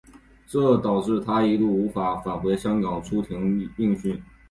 这导致他一度无法返回香港出庭应讯。